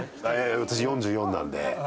私４４なんで。